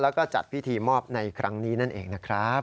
แล้วก็จัดพิธีมอบในครั้งนี้นั่นเองนะครับ